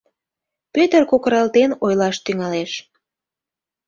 Пӧтыр кокыралтен ойлаш тӱҥалеш: